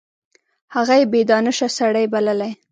هغه یې بې دانشه سړی بللی.